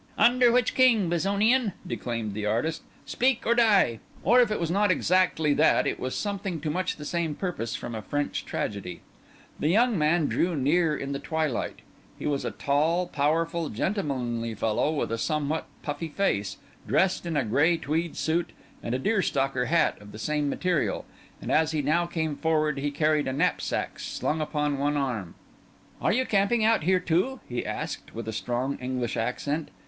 "Under which king, Bezonian?" declaimed the artist. "Speak or die!" Or if it was not exactly that, it was something to much the same purpose from a French tragedy. The young man drew near in the twilight. He was a tall, powerful, gentlemanly fellow, with a somewhat puffy face, dressed in a grey tweed suit, with a deer stalker hat of the same material; and as he now came forward he carried a knapsack slung upon one arm. "Are you camping out here too?" he asked, with a strong English accent.